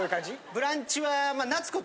『ブランチ』は。